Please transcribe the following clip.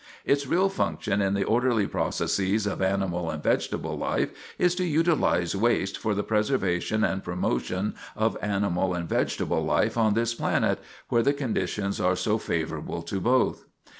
Its real function in the orderly processes of animal and vegetable life is to utilize waste for the preservation and promotion of animal and vegetable life on this planet where the conditions are so favorable to both.